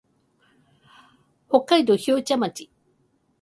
北海道標茶町